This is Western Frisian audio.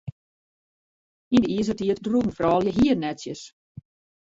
Yn de Izertiid droegen froulju hiernetsjes.